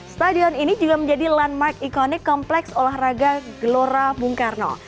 stadion ini juga menjadi landmark ikonik kompleks olahraga gelora bung karno